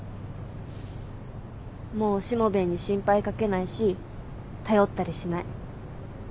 もうしもべえに心配かけないし頼ったりしない。